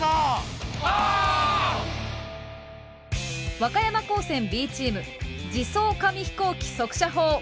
和歌山高専Ｂチーム「自走紙飛行機速射砲」。